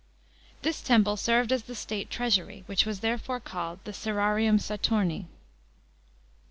This temple served as the state treasury, which was therefore called the asrarium Saturni.